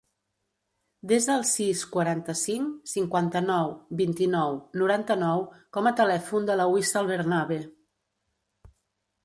Desa el sis, quaranta-cinc, cinquanta-nou, vint-i-nou, noranta-nou com a telèfon de la Wissal Bernabe.